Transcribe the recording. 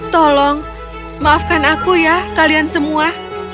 tolong maafkan aku ya kalian semua